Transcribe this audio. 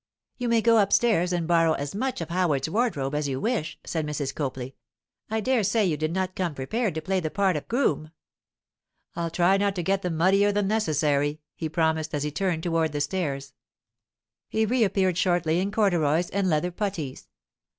'You may go upstairs and borrow as much of Howard's wardrobe as you wish,' said Mrs. Copley. 'I dare say you did not come prepared to play the part of groom.' 'I'll try not to get them muddier than necessary,' he promised as he turned toward the stairs. He reappeared shortly in corduroys and leather puttees.